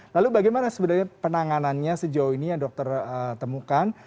lalu bagaimana sebenarnya penanganannya sejauh ini yang dokter temukan